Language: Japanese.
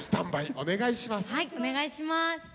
はいお願いします。